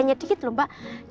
ini kalau aa